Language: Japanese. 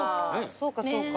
そうかそうか。